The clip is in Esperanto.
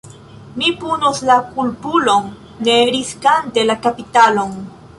Mi punos la kulpulon, ne riskante la kapitalon.